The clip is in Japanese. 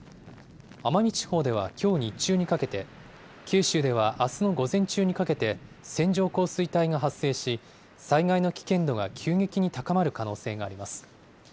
奄美地方ではきょう日中にかけて、九州ではあすの午前中にかけて、線状降水帯が発生し、災害の危険度が急激に高まる可能性があります。